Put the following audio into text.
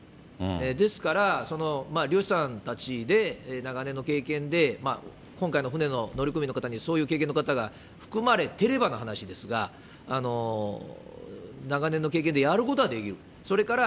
ですから、漁師さんたちで長年の経験で今回の船の乗組員の方にそういう経験の方が含まれてればの話ですが、長年の経験でやることはできる、それから、